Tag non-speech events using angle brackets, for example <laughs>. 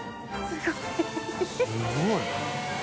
すごい <laughs>